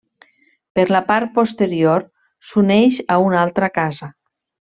Per la part posterior s'uneix a una altra casa.